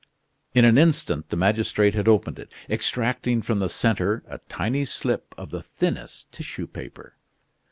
In an instant the magistrate had opened it, extracting from the centre a tiny slip of the thinnest tissue paper.